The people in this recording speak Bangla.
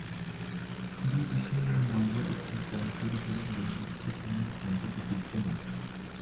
দুই দেশের মাঝে অত্যন্ত আন্তরিক এবং বন্ধুত্বপূর্ণ সম্পর্ক বিদ্যমান।